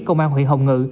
công an huyện hồng ngự